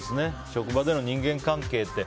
職場での人間関係って。